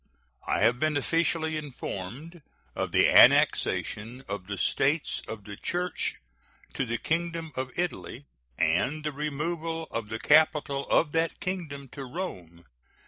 I have been officially informed of the annexation of the States of the Church to the Kingdom of Italy, and the removal of the capital of that Kingdom to Rome.